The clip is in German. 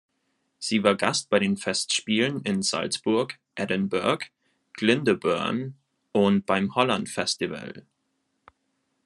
Sie war Gast bei den Festspielen in Salzburg, Edinburgh, Glyndebourne und beim Holland Festival.